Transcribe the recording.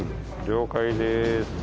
了解です。